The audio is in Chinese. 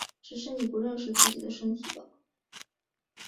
只是你不认识自己的身体吧！